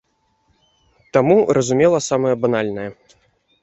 Таму разумела самае банальнае.